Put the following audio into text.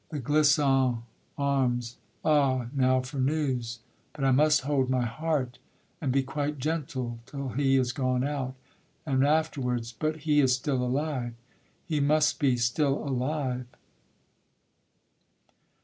The Clisson arms? Ah, now for news. But I must hold my heart, And be quite gentle till he is gone out; And afterwards: but he is still alive, He must be still alive.